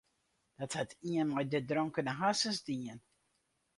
Dat hat ien mei de dronkene harsens dien.